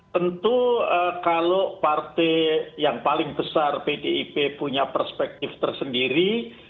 tentu kalau partai yang paling besar pdip punya perspektif tersendiri